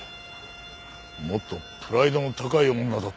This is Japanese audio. もっとプライドの高い女だと思ってたんだが。